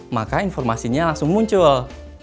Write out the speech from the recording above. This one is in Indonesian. maka informasinya langsung muncul